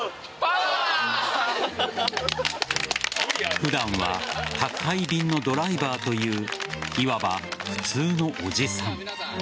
普段は宅配便のドライバーといういわば普通のおじさん。